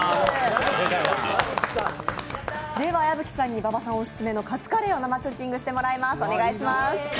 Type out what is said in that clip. では矢吹さんに馬場さんオススメのカツカレーを生クッキングしていただきます。